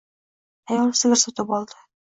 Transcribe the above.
Ayol sigir sotib oldi.